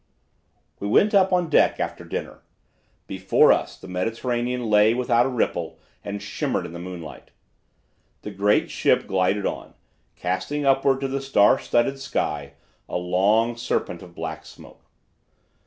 Fear We went up on deck after dinner. Before us the Mediterranean lay without a ripple and shimmering in the moonlight. The great ship glided on, casting upward to the star studded sky a long serpent of black smoke.